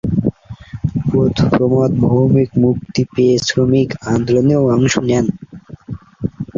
প্রমথ ভৌমিক মুক্তি পেয়ে শ্রমিক আন্দোলনেও অংশ নেন।